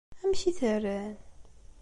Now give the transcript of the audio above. Amek i t-rran?